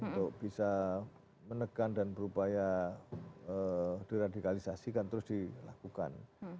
untuk bisa menekan dan berupaya diradikalisasikan terus dilakukan